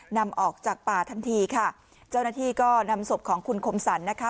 นำออกจากป่าทันทีค่ะเจ้าหน้าที่ก็นำศพของคุณคมสรรนะคะ